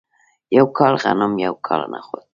یو کال غنم یو کال نخود.